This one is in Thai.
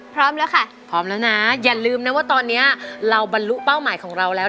พร้อมแล้วค่ะพร้อมแล้วนะอย่าลืมนะว่าตอนนี้เราบรรลุเป้าหมายของเราแล้ว